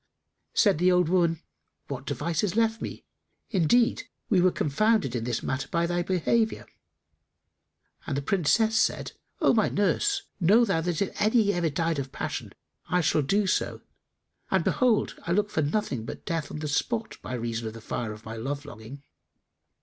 Said the old woman, "What device is left me? Indeed, we were confounded in this matter by thy behaviour"; and the Princess said, "O my nurse, know thou that if any ever died of passion, I shall do so, and behold, I look for nothing but death on the spot by reason of the fire of my love longing."